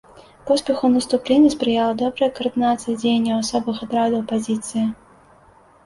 Поспеху наступлення спрыяла добрая каардынацыя дзеянняў асобных атрадаў апазіцыі.